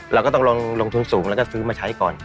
เราก็ต้องลงทุนสูงแล้วก็ซื้อมาใช้ก่อน